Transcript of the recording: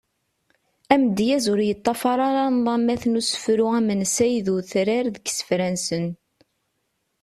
Amedyaz ur yeṭṭafar ara nḍamat n usefru amensay d utrar deg isefra-nsen.